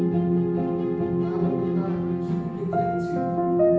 mencoba untuk mencoba